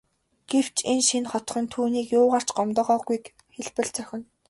Гэвч энэ шинэ хотхон түүнийг юугаар ч гомдоогоогүйг хэлбэл зохино.